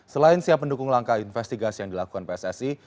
selain siap mendukung langkah investigasi yang dilakukan pssi